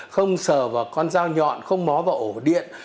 không sờ vào con dao nhọn không mó vào ổ điện